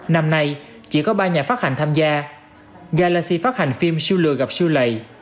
năm nay chỉ có ba nhà phát hành tham gia galaxy phát hành phim siêu lừa gặp siêu lầy